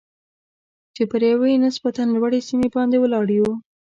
چې پر یوې نسبتاً لوړې سیمې باندې ولاړ یو.